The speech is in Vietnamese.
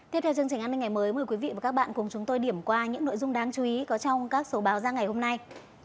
tiếp theo chương trình an ninh ngày mới mời quý vị và các bạn cùng chúng tôi điểm qua những nội dung đáng chú ý có trong các số báo ra ngày hôm nay